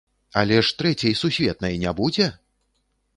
Але ж Трэцяй сусветнай не будзе?